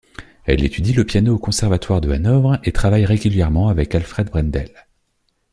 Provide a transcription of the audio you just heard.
Elle étudie le piano au conservatoire de Hanovre et travaille régulièrement avec Alfred Brendel.